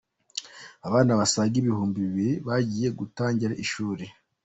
Abana basaga ibihumbi bibiri bagiye gutangira ishuri